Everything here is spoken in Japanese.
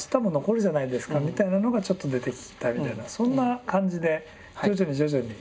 みたいなのがちょっと出てきたみたいなそんな感じで徐々に徐々に。